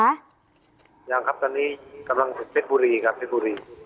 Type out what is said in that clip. ยังครับตอนนี้กำลังเพชรบุรีครับเพชรบุรี